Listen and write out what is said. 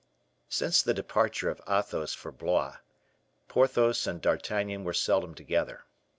Since the departure of Athos for Blois, Porthos and D'Artagnan were seldom together.